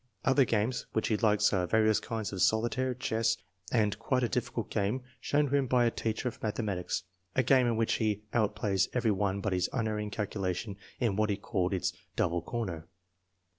Other games which he likes are various kinds of solitaire, chess, and quite a difficult game shown to him by a teacher of mathe matics, a game in which he outplays every one by his unerring calculation in what he called its 'double corner.'